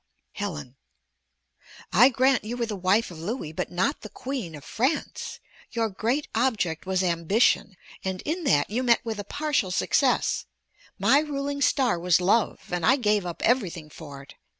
Helen I grant you were the wife of Louis, but not the Queen of France. Your great object was ambition, and in that you met with a partial success; my ruling star was love, and I gave up everything for it.